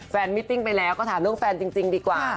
มิติ้งไปแล้วก็ถามเรื่องแฟนจริงดีกว่า